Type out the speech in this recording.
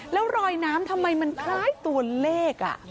แล้วรอยน้ำทำไมมันคล้ายตัวเลข